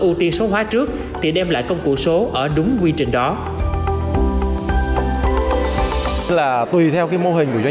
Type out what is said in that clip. ưu tiên số hóa trước thì đem lại công cụ số ở đúng quy trình đó là tùy theo cái mô hình của doanh